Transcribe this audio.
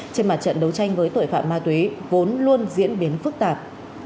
trên mặt trận đấu tranh với tội phạm ma túy vốn luôn diễn biến phức tạp